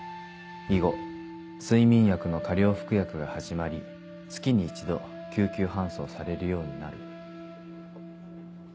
以後睡眠薬の過量服薬が始まり月に一度救急搬送されるようになる」。